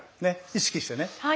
意識してね。